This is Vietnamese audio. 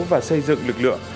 và xây dựng lực lượng